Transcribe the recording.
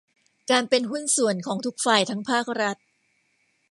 การเป็นหุ้นส่วนของทุกฝ่ายทั้งภาครัฐ